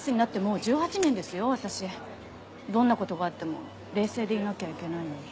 どんな事があっても冷静でいなきゃいけないのに。